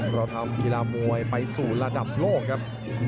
เราทำกีฬามวยไปสู่ระดับโลกครับ